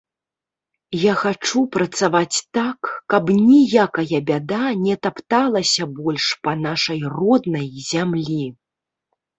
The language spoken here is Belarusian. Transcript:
Я хачу працаваць так, каб ніякая бяда не тапталася больш па нашай роднай зямлі.